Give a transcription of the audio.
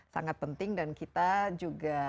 sangat penting dan kita juga